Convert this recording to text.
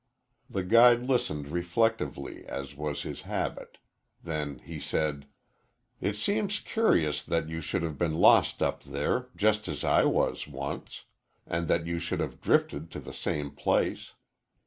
The guide listened reflectively, as was his habit. Then he said: "It seems curious that you should have been lost up there, just as I was once, and that you should have drifted to the same place.